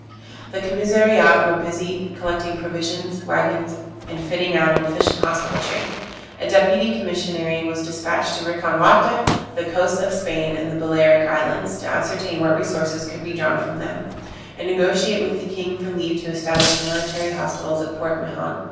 The commissariat were busied in collecting provisions, waggons, and fitting out an efficient hospital train; a deputy commissary was despatched to reconnoitre the coasts of Spain and the Balearic Islands, to ascertain what resources could be drawn from them, and negociate with the king for leave to establish military hospitals at Port Mahon.